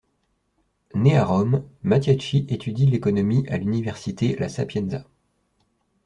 Né à Rome, Mattiacci étudie l'économie à l'Université La Sapienza.